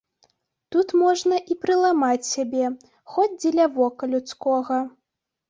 Тут можна і прыламаць сябе, хоць дзеля вока людскога.